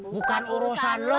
bukan urusan lo